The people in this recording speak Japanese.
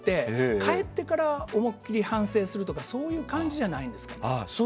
帰ってから思い切り反省するとかそういう感じじゃないですか？